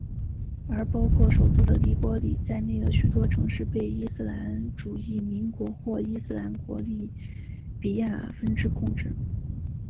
而包括首都的黎波里在内的许多城市被伊斯兰主义民兵或伊斯兰国利比亚分支控制。